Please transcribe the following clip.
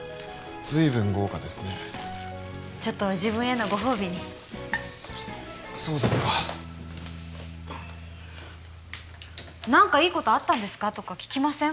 随分豪華ですねちょっと自分へのご褒美にそうですか「何かいいことあったんですか」とか聞きません？